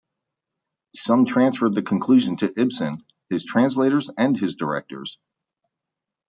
Some transferred the conclusion to Ibsen, his translators and his director.